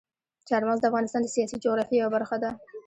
چار مغز د افغانستان د سیاسي جغرافیې یوه برخه ده.